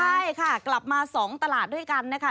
ใช่ค่ะกลับมา๒ตลาดด้วยกันนะคะ